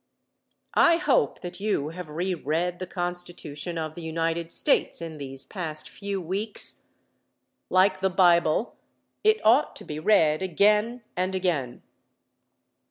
I hope that you have re read the Constitution of the United States in these past few weeks. Like the Bible, it ought to be read again and again.